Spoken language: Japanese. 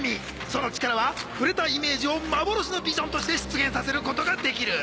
その力は触れたイメージを幻のビジョンとして出現させることができる。